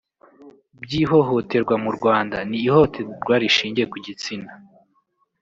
by’ ihohoterwa mu Rwanda ni ihohoterwa rishingiye ku gitsina